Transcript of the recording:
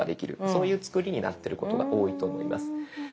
そういう作りになってることが多いと思います。